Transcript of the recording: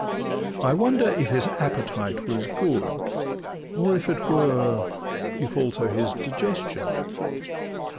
I wonder if his appetite was good? Or, if it were, if also his digestion?